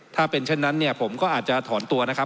ถ้าเป็นเช่นนั้นเนี่ยผมก็อาจจะถอนตัวนะครับ